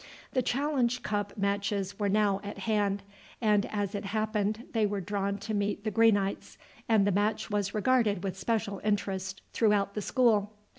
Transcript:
The challenge cup matches were now at hand, and as it happened they were drawn to meet the Greenites, and the match was regarded with special interest throughout the school.